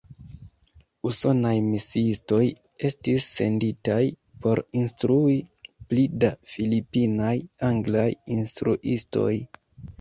Usonaj misiistoj estis senditaj por instrui pli da filipinaj anglaj instruistoj.